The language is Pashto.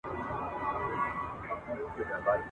ورور او پلار وژني چي امر د سرکار وي ..